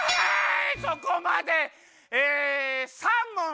はい！